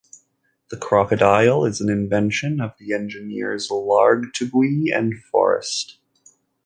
The crocodile is an invention of the engineers Lartigue and Forest.